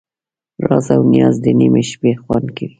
راز او نیاز د نیمې شپې خوند کوي.